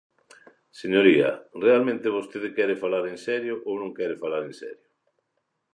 Señoría, ¿realmente vostede quere falar en serio ou non quere falar en serio?